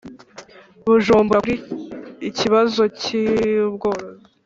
Bujumbura kuri ikibazo cy ubworozi